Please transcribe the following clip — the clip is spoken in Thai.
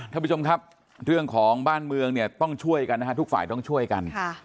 ท่านผู้ชมครับเรื่องของบ้านเมืองเนี่ยต้องช่วยกันนะฮะทุกฝ่ายต้องช่วยกัน